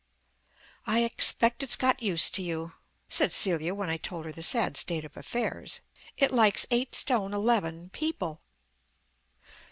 "I expect it's got used to you," said Celia when I told her the sad state of affairs. "It likes eight stone eleven people."